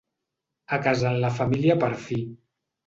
A casa en la família per fi.